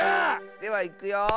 ではいくよ。